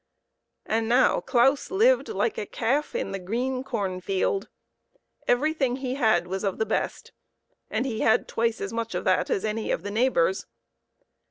And now Claus lived like a calf in the green corn field. Everything he had was of the best, and he had twice as much of that as any of the neighbors.